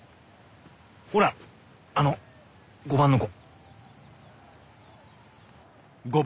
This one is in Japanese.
ほらあの５番の子！